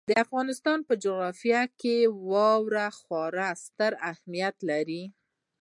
د افغانستان په جغرافیه کې واوره خورا ستر اهمیت لري.